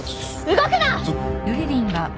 動くな！